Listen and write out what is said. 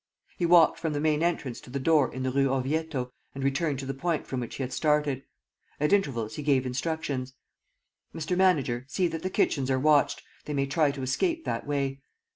He walked from the main entrance to the door in the Rue Orvieto and returned to the point from which he had started. At intervals he gave instructions: "Mr. Manager, see that the kitchens are watched. They may try to escape that way.